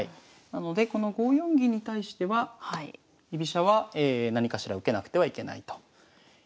なのでこの５四銀に対しては居飛車は何かしら受けなくてはいけないと。